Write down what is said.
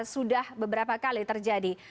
sudah beberapa kali terjadi